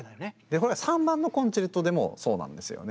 これは３番のコンチェルトでもそうなんですよね。